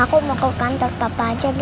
aku mau ke kantor papa aja